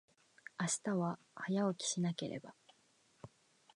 明日は、早起きしなければ。